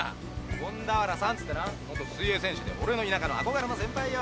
権田原さんっつってな元水泳選手で俺の田舎の憧れの先輩よ。